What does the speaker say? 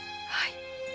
はい。